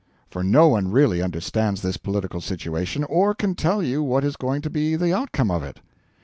For no one really understands this political situation, or can tell you what is going to be the outcome of it.